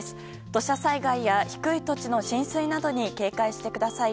土砂災害や低い土地の浸水などに警戒してください。